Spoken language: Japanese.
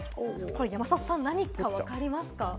山里さん、何かわかりますか？